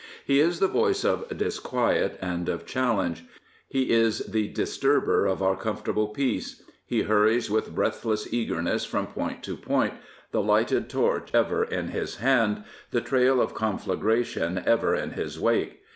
He is the voice of disquiet and of challenge. He is the disturber of our comfortable peace. He hurries with breathless eagerness from point to point, the lighted torch ever in his hand, the trail of confla|^ation ever in his wake.